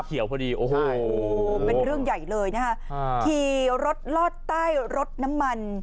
พอดีโอ้โหเป็นเรื่องใหญ่เลยนะฮะขี่รถลอดใต้รถน้ำมัน